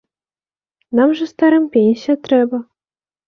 Нам жа, старым, пенсія трэба.